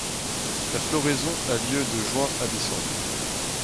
La floraison a lieu de juin à décembre.